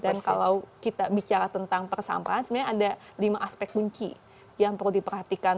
dan kalau kita bicara tentang persampahan sebenarnya ada lima aspek kunci yang perlu diperhatikan